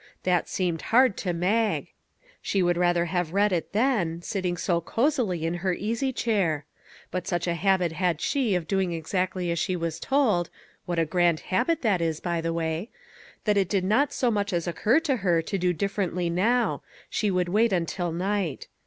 That seemed hard to Mag. She would rather have read it then, sitting so cosily in her easy chair. But such a habit had she of doing exactly as she was told what a grand habit that is, by the way that it did not so much as occur to her to do differ ently now; she would wait until night.